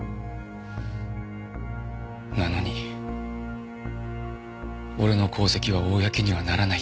なのに俺の功績は公にはならないって言われて。